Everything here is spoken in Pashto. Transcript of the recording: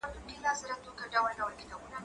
زه هره ورځ کالي وچوم؟!